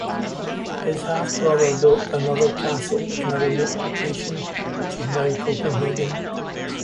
His half-brother built another castle in a remote location, which is now Copenhagen.